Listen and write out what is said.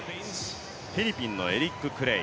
フィリピンのエリック・クレイ。